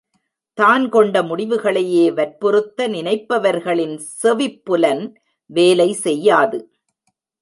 தான் கொண்ட முடிவுகளையே வற்புறுத்த நினைப்பவர்களின் செவிப் புலன் வேலை செய்யாது.